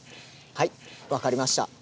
はい分かりました。